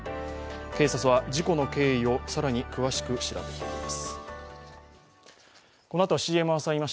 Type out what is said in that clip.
警察は事故の経緯を更に詳しく調べています。